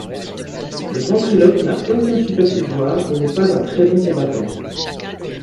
Le Ventriloque n'a aucun super-pouvoirs et n'est pas un très bon combattant.